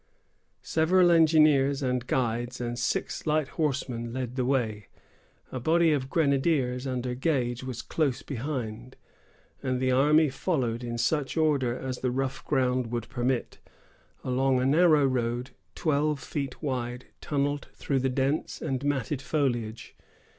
Several engineers and guides and six light horsemen led the way; a body of grenadiers under Gage was close behind, and the army followed in such order as the rough ground would permit, along a narrow road, twelve feet wide, tunnelled through the dense and matted foliage.